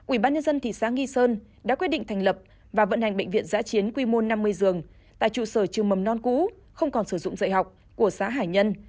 ubnd thị xã nghi sơn đã quyết định thành lập và vận hành bệnh viện giã chiến quy mô năm mươi giường tại trụ sở trường mầm non cũ không còn sử dụng dạy học của xã hải nhân